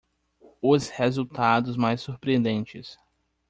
Os resultados mais surpreendentes